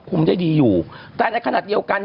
พี่เราหลุดมาไกลแล้วฝรั่งเศส